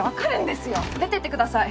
出てってください